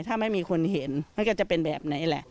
ถ้าไม่มีคนเห็นมันก็จะเป็นแบบไหนแหละ